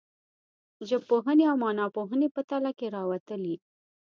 ژبپوهنې او معناپوهنې په تله کې راوتلي.